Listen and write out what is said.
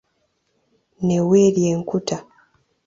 Ne weerya enkuta.